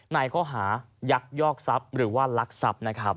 ในข้อหายักยอกทรัพย์หรือว่าลักทรัพย์นะครับ